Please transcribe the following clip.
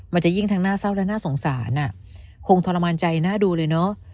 มันจะยิ่งทั้งน่าเศร้าและน่าสงสารคงทรมานใจน่าดูเลยเนอะ